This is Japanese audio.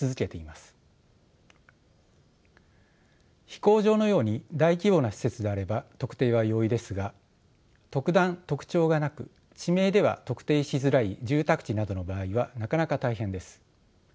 飛行場のように大規模な施設であれば特定は容易ですが特段特徴がなく地名では特定しづらい住宅地などの場合はなかなか大変です。